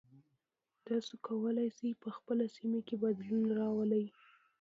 تاسو کولی شئ په خپله سیمه کې بدلون راولئ.